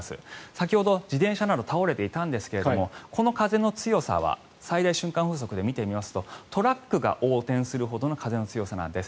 先ほど、自転車などが倒れていたんですがこの風の強さは最大瞬間風速で見てみますとトラックが横転するほどの風の強さなんです。